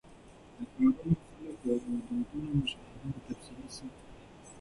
د ښارونو، خلکو او دودونو مشاهده یې تفصیلي ثبت کړې.